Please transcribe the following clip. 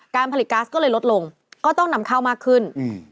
การผลิตก๊าซก็เลยลดลงก็ต้องนำเข้ามากขึ้น